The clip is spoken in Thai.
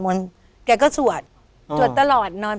พี่น้องรู้ไหมว่าพ่อจะตายแล้วนะ